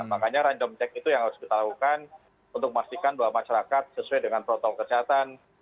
makanya random check itu yang harus kita lakukan untuk memastikan bahwa masyarakat sesuai dengan protokol kesehatan